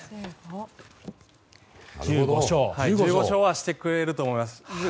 １５勝はしてくれると思います。